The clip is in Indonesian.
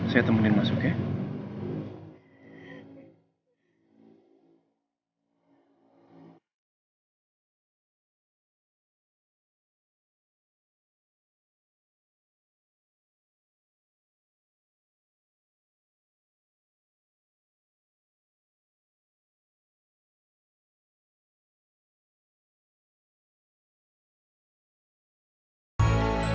saya temenin masuk ya